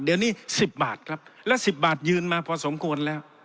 เดี๋ยวนี้๑๐บาทครับและ๑๐บาทยืนมาพอสมควรแล้ว